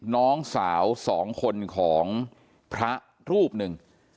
น้องสาวสองคนของพระรูปหนึ่ง